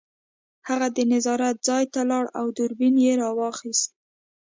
هغه د نظارت ځای ته لاړ او دوربین یې راواخیست